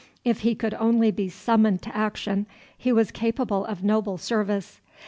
If he could only be summoned to action, he was capable of noble service.